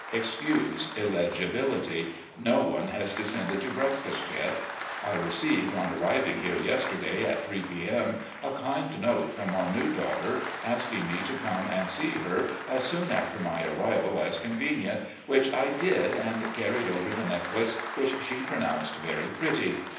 Excuse illegibility. No one has descended to breakfast yet. I received, on arriving here yesterday, at 3 p. m., a kind note from our new daughter asking me to come and see her as soon after my arrival as convenient, which I did and carried over the necklace, which she pronounced very pretty.